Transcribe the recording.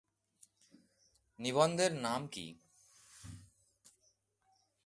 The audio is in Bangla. নিবন্ধের নাম কি?